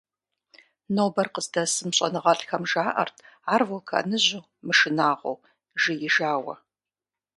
Нобэр къыздэсым щӏэныгъэлӏхэм жаӏэрт ар вулканыжьу, мышынагъуэу, «жеижауэ».